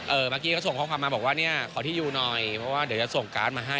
เมื่อกี้ก็ส่งข้อความมาบอกว่าเนี่ยขอที่อยู่หน่อยเพราะว่าเดี๋ยวจะส่งการ์ดมาให้